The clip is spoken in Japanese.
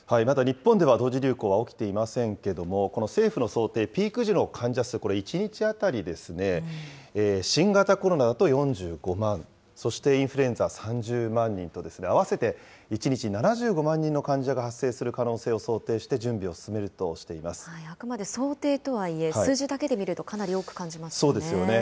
まだ日本では同時流行は起きていませんけれども、この政府の想定、ピーク時の患者数、これ１日当たり、新型コロナだと４５万、そしてインフルエンザ３０万人と、合わせて１日７５万人の患者が発生する可能性を想定して準備を進あくまで想定とはいえ、数字だけで見ると、かなり多く感じますね。